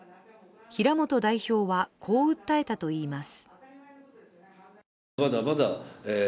平本代表はこう訴えたといいます。